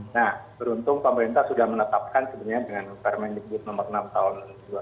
nah beruntung pemerintah sudah menetapkan sebenarnya dengan permendikbud nomor enam tahun dua ribu dua puluh